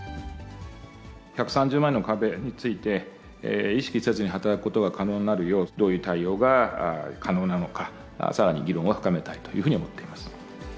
１３０万円の壁について、意識せずに働くことが可能になるよう、どういう対応が可能なのか、さらに議論を深めたいというふうに思っています。